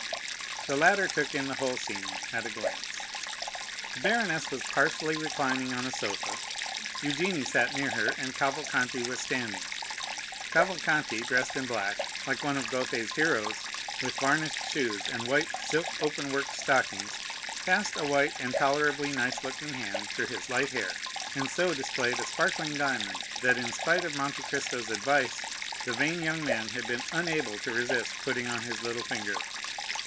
The latter took in the whole scene at a glance. The baroness was partially reclining on a sofa, Eugénie sat near her, and Cavalcanti was standing. Cavalcanti, dressed in black, like one of Goethe's heroes, with varnished shoes and white silk open worked stockings, passed a white and tolerably nice looking hand through his light hair, and so displayed a sparkling diamond, that in spite of Monte Cristo's advice the vain young man had been unable to resist putting on his little finger.